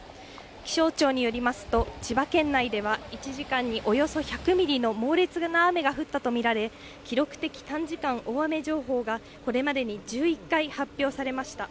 気象庁によりますと、千葉県内では、１時間におよそ１００ミリの猛烈な雨が降ったと見られ、記録的短時間大雨情報が、これまでに１１回発表されました。